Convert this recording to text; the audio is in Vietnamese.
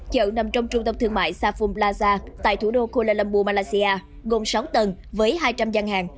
chợ nằm trong trung tâm thương mại safun plaza tại thủ đô kuala lumpur malaysia gồm sáu tầng với hai trăm linh giang hàng